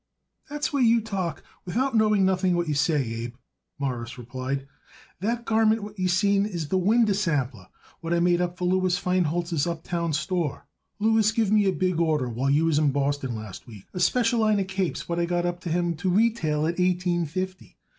"That's where you talk without knowing nothing what you say, Abe," Morris replied. "That garment what you seen it is the winder sample what I made it up for Louis Feinholz's uptown store. Louis give me a big order while you was in Boston last week, a special line of capes what I got up for him to retail at eighteen fifty.